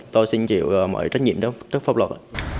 tôi xin chịu mọi trách nhiệm trước pháp luật